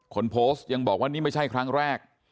คนโพสต์ยังบอกว่านี่ไม่ใช่ครั้งแรก